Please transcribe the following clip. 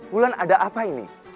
bulan ada apa ini